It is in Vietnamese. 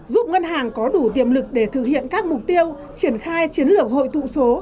giúp ngân hàng có đủ tiềm lực để thực hiện các mục tiêu triển khai chiến lược hội tụ số